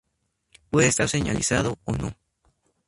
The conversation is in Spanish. Puede estar señalizado o no.